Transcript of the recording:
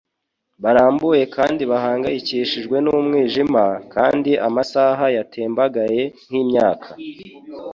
Barambuye kandi bahangayikishijwe n'umwijima, kandi amasaha yatembagaye nk'imyaka,